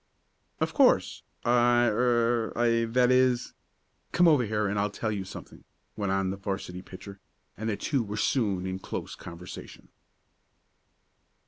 "Of course. I er I that is " "Come over here and I'll tell you something," went on the 'varsity pitcher, and the two were soon in close conversation.